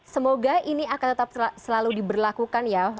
semoga ini akan tetap selalu diberlakukan ya